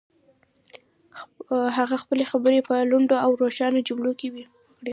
هغه خپلې خبرې په لنډو او روښانه جملو کې وکړې.